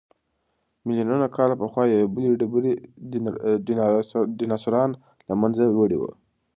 ملیونونه کاله پخوا یوې بلې ډبرې ډیناسوران له منځه وړي وو.